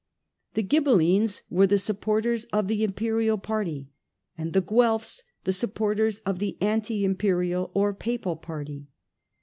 The Ghibellines were the supporters of the Imperial party and the Guelfs the partisans of the anti Imperial or Papal party.